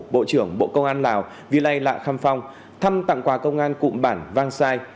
bộ trưởng bộ công an lào vi lây lạ kham phong thăm tặng quà công an cụm bản vang sai